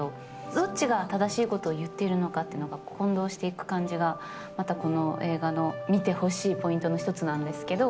どっちが正しいことを言っているのかっていうのが混同していく感じがまたこの映画の見てほしいポイントの一つなんですけど。